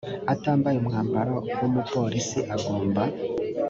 atambaye umwambaro w umupolisi agomba